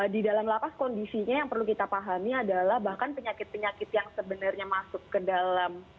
di dalam lapas kondisinya yang perlu kita pahami adalah bahkan penyakit penyakit yang sebenarnya masuk ke dalam